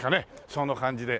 そんな感じで。